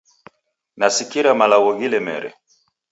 Nasikira malagho ghilemere